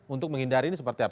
untuk menghindari ini seperti apa